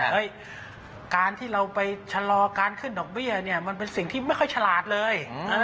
การที่เราไปชะลอการขึ้นดอกเบี้ยเนี่ยมันเป็นสิ่งที่ไม่ค่อยฉลาดเลย